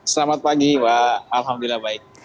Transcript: selamat pagi alhamdulillah baik